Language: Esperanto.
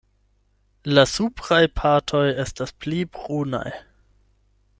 La supraj partoj estas pli brunaj.